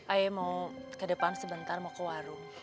ayah mau ke depan sebentar mau ke warung